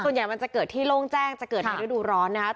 ส่วนใหญ่มันจะเกิดที่โล่งแจ้งจะเกิดในฤดูร้อนนะครับ